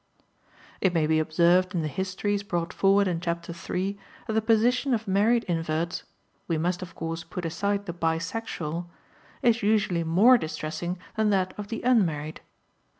It may be observed in the Histories brought forward in chapter iii that the position of married inverts (we must, of course, put aside the bisexual) is usually more distressing than that of the unmarried.